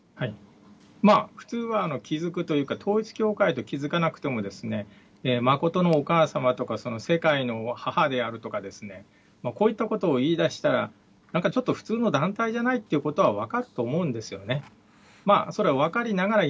まあ、普通は気付くというか、統一教会と気付かなくても、まことのお母様とか、世界の母であるとかですね、こういったことを言いだしたら、なんかちょっと普通の団体じゃないってことは分かると思うんですよね。